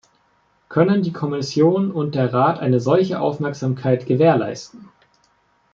Können die Kommission und der Rat eine solche Aufmerksamkeit gewährleisten?